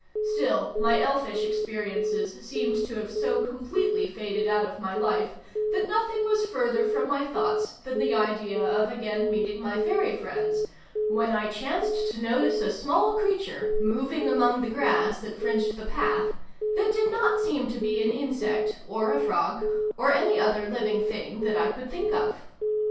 Still, my elfish experiences seemed to have so completely faded out of my life that nothing was further from my thoughts than the idea of again meeting my fairy friends, when I chanced to notice a small creature, moving among the grass that fringed the path, that did not seem to be an insect, or a frog, or any other living thing that I could think of.